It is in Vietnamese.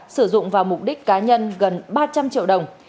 sử dụng vào mục đích cá nhân gần ba trăm linh triệu đồng